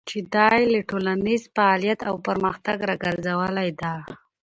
چې دا يې له ټولنيز فعاليت او پرمختګه راګرځولې ده.